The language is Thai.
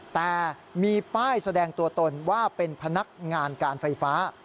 แต่มีป้ายแสดงตัวตนว่าเป็นพนักงานการไฟฟ้า